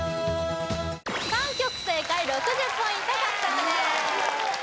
３曲正解６０ポイント獲得です